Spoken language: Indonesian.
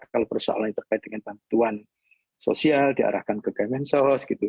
kalau persoalan terkait dengan bantuan sosial diarahkan ke kemen sos